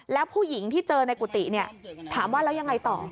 แล้วผู้หญิงที่เจอในกุฏิถามว่าแล้วยังไงต่อ